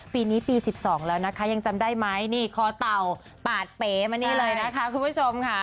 ปีนี้ปี๑๒แล้วนะคะยังจำได้ไหมนี่คอเต่าปาดเป๋มานี่เลยนะคะคุณผู้ชมค่ะ